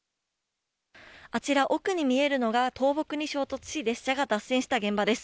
あちら、奥に見えるのが、倒木に衝突し、列車が脱線した現場です。